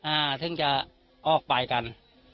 อ่าถึงจะออกไปกัน